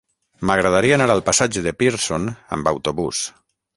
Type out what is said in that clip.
M'agradaria anar al passatge de Pearson amb autobús.